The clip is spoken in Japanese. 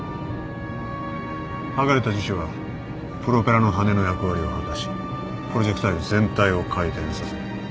剥がれた樹脂はプロペラの羽根の役割を果たしプロジェクタイル全体を回転させる。